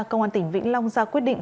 công an tỉnh vĩnh long ra quyết định